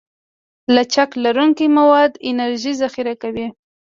لچک لرونکي مواد انرژي ذخیره کوي.